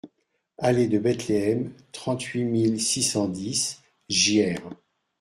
Allée de Bethleem, trente-huit mille six cent dix Gières